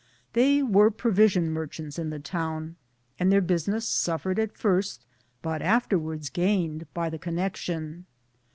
They were provision merchants in the town ; and their business suffered at first, but afterwards gained, by the connection.